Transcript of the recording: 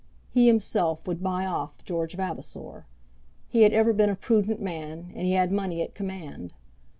He himself would buy off George Vavasor. He had ever been a prudent man, and he had money at command.